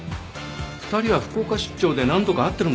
２人は福岡出張で何度か会ってるんだっけ？